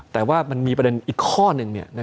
แต่ว่ามันมีประเด็นอีกข้อหนึ่ง